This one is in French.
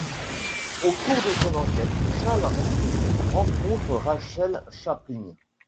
Au cours de son enquête Charles Resnick rencontre Rachel Chaplin.